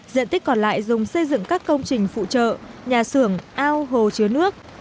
diện tích còn lại dùng xây dựng các công trình phụ trợ nhà xưởng ao hồ chứa nước